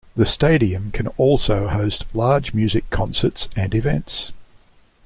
The stadium can also host large music concerts and events.